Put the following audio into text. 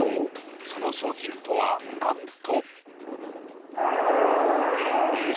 その商品とはなんと。